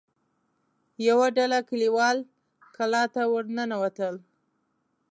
يوه ډله کليوال کلا ته ور ننوتل.